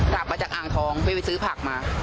ขับมาจากอ่างทองไปซื้อผักมา